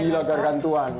oh gila gargantuan